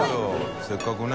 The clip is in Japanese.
せっかくね。